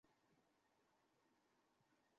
চালু হ, আবর্জনার পিণ্ড!